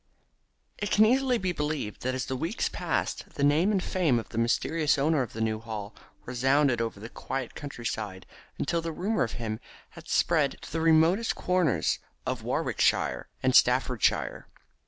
It can easily be believed that as the weeks passed the name and fame of the mysterious owner of the New Hall resounded over the quiet countryside until the rumour of him had spread to the remotest corners of Warwickshire and Staffordshire.